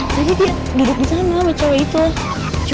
tadi dia duduk disana sama cewek itu